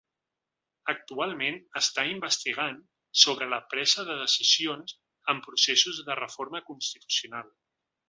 Actualment està investigant sobre la presa de decisions en processos de reforma constitucional.